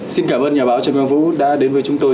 xin cảm ơn nhà báo trần quang vũ đã đến với chúng tôi